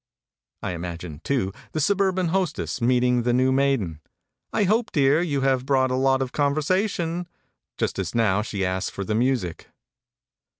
I imagine, too, the suburban hostess meeting the new maiden: "I hope, dear, you have brought a lot of conversation," just as now she asks for the music.